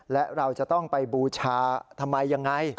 และเราจะต้องไปบูชาทำไมยังไง